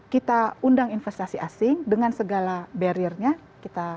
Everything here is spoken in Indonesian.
kita undang investasi asing dengan segala barrier nya